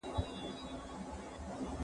ورته څیري تر لمني دي گرېوان کړه